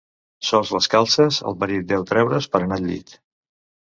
Sols les calces el marit deu treure's per anar al llit.